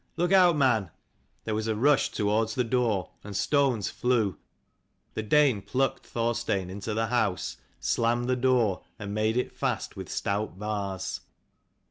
Look out, man !" There was a rush towards the door, and stones flew. The Dane plucked Thorstein into the house, slammed the door, and made it fast with stout bars.